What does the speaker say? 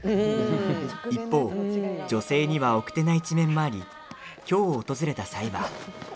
一方、女性には奥手な一面もあり京を訪れた際は。